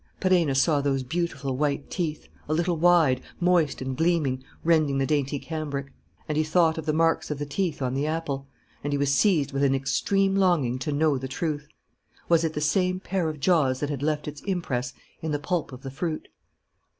Perenna saw those beautiful white teeth, a little wide, moist and gleaming, rending the dainty cambric. And he thought of the marks of teeth on the apple. And he was seized with an extreme longing to know the truth. Was it the same pair of jaws that had left its impress in the pulp of the fruit?